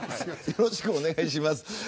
よろしくお願いします。